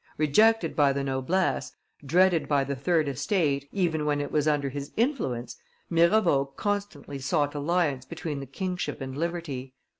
Rejected by the noblesse, dreaded by the third estate, even when it was under his influence, Mirabeau constantly sought alliance between the kingship and liberty.